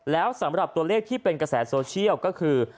แล้วสำหรับตัวเลขที่เป็นกระแสโซเชียลก็คือ